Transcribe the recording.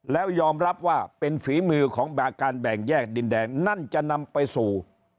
แล้วยอมรับว่าเป็นฝีมือของแบบการแบ่งแยกดินแดงนั่นจะนำไปสู่